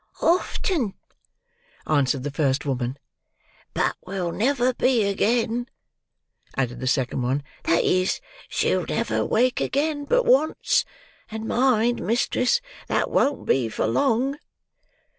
"Often," answered the first woman. "But will never be again," added the second one; "that is, she'll never wake again but once—and mind, mistress, that won't be for long!"